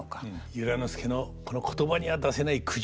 由良之助のこの言葉には出せない苦渋の選択。